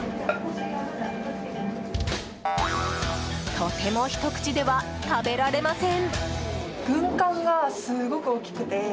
とてもひと口では食べられません。